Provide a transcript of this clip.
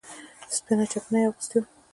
سپينه چپنه يې اغوستې وه.